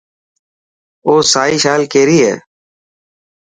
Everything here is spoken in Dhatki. او سائي شال ڪيري هي.